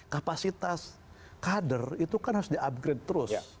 kapasitas kader itu kan harus di upgrade terus